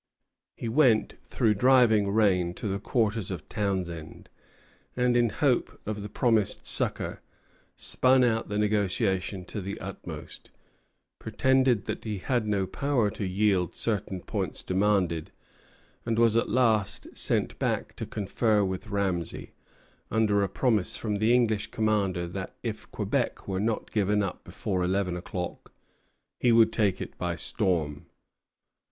He went, through driving rain, to the quarters of Townshend, and, in hope of the promised succor, spun out the negotiation to the utmost, pretended that he had no power to yield certain points demanded, and was at last sent back to confer with Ramesay, under a promise from the English commander that, if Quebec were not given up before eleven o'clock, he would take it by storm.